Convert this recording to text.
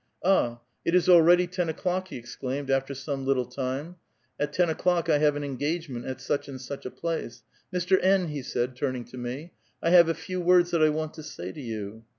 "Ah! it is already ten o'clock!" he exclaimed, after some little time. " At ten o'clock I have an engagement at such and such a place. — Mr. N.," he said, turning to me, " I have a few words that I want to say to vou.